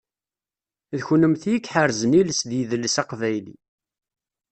D kunemti i iḥerzen iles d yidles aqbayli.